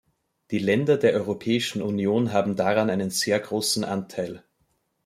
Die Länder der Europäischen Union haben daran einen sehr großen Anteil.